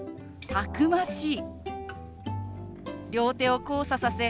たくましい。